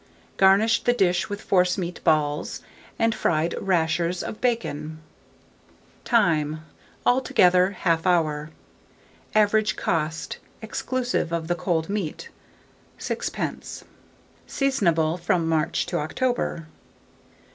Garnish the dish with forcemeat balls and fried rashers of bacon. Time. Altogether 1/2 hour. Average cost, exclusive of the cold meat, 6d. Seasonable from March to October.